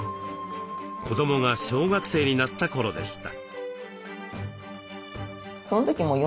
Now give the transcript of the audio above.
子どもが小学生になった頃でした。